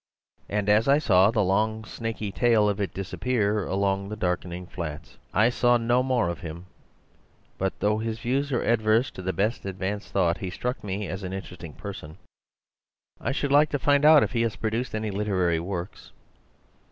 And as I saw the long snaky tail of it disappear along the darkening flats. "I saw no more of him. But though his views were adverse to the best advanced thought, he struck me as an interesting person: I should like to find out if he has produced any literary works.